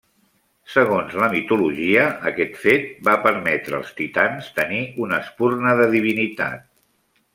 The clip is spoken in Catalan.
Segons la mitologia, aquest fet va permetre als titans tenir una espurna de divinitat.